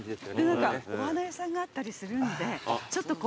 何かお花屋さんがあったりするんでちょっと。